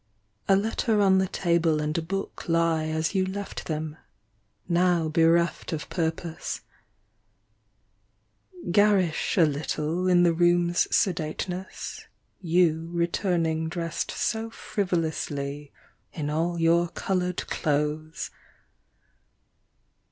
A letter on the table and a book Lie as you left them, now bereft of purpose — Garish a little in the room's sedateness, you Returning dressed so frivolously in all your coloured clothes